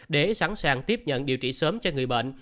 để sẵn sàng tiếp nhận điều trị sớm cho người bệnh